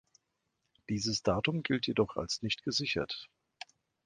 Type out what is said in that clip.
Dieses Datum gilt jedoch als nicht gesichert.